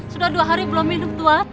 sudah dua hari belum minum tuhan